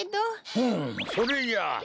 うむそれじゃ！